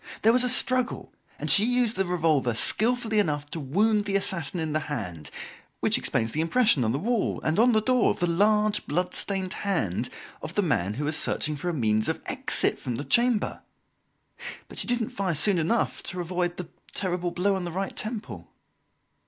There was a struggle, and she used the revolver skilfully enough to wound the assassin in the hand which explains the impression on the wall and on the door of the large, blood stained hand of the man who was searching for a means of exit from the chamber. But she didn't fire soon enough to avoid the terrible blow on the right temple."